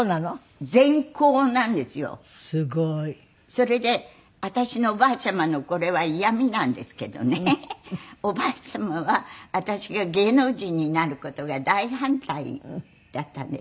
それで私のおばあちゃまのこれは嫌みなんですけどねおばあちゃまは私が芸能人になる事が大反対だったんです。